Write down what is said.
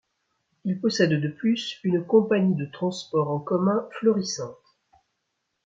Il possède de plus une compagnie de transports en commun florissante.